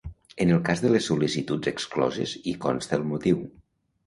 En el cas de les sol·licituds excloses hi consta el motiu.